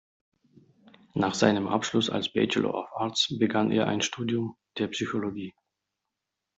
Nach seinem Abschluss als Bachelor of Arts begann er ein Studium der Psychologie.